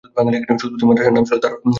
শুরুতে মাদ্রাসার নাম ছিল ‘দারুল উলুম’।